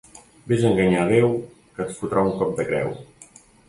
Ves a enganyar a Déu, que et fotrà un cop de creu.